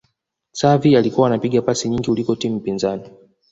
Xavi alikuwa anapiga pasi nyingi kuliko timu pinzani